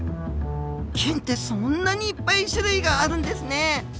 菌ってそんなにいっぱい種類があるんですね。